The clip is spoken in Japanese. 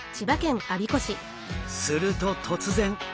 すると突然！